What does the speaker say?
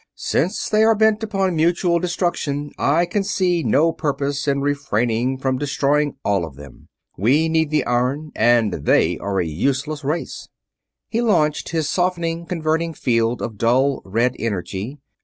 "Since they are bent upon mutual destruction I can see no purpose in refraining from destroying all of them. We need the iron, and they are a useless race." He launched his softening, converting field of dull red energy.